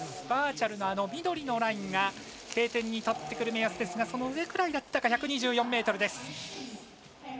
バーチャルの緑のラインがＫ点に立ってくる目安ですがその上ぐらいだったか１２４ｍです。